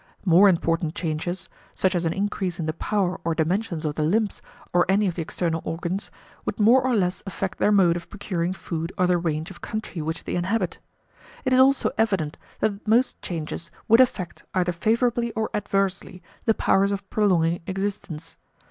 More important changes, such as an increase in the power or dimensions of the limbs or any of the external organs, would more or less affect their mode of procuring food or the range of [[p. 58]] country which they inhabit. It is also evident that most changes would affect, either favourably or adversely, the powers of prolonging existence.